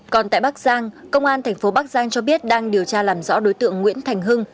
còn tại bắc giang công an thành phố bắc giang cho biết đang điều tra làm rõ đối tượng nguyễn thành hưng